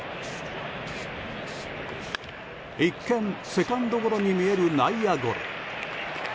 一見、セカンドゴロに見える内野ゴロ。